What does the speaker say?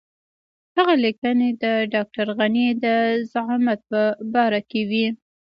هغه لیکنې د ډاکټر غني د زعامت په باره کې وې.